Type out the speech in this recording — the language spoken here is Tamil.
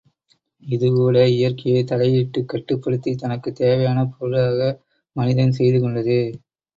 இதுகூட இயற்கையில் தலையிட்டுக் கட்டுப்படுத்தித் தனக்குத் தேவையான் பொருளாக மனிதன் செய்துகொண்டதே.